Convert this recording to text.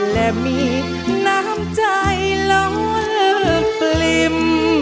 และมีน้ำใจละลิม